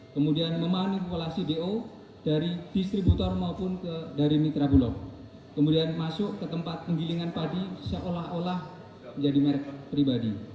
kemudian memanipulasi do dari distributor maupun dari mitra bulog kemudian masuk ke tempat penggilingan padi seolah olah menjadi merek pribadi